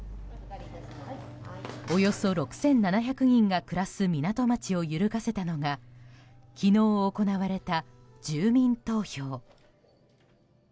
およそ６７００人が暮らす港町を揺るがせたのが昨日、行われた住民投票。